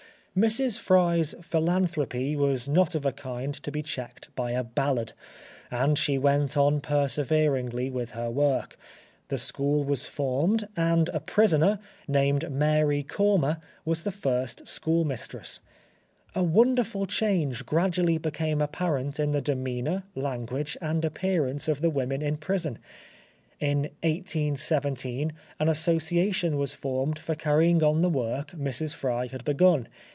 Mrs. Fry's philanthropy was not of a kind to be checked by a ballad, and she went on perseveringly with her work; the school was formed, and a prisoner, named Mary Cormor, was the first schoolmistress. A wonderful change gradually became apparent in the demeanour, language, and appearance of the women in prison. In 1817 an association was formed for carrying on the work Mrs. Fry had begun.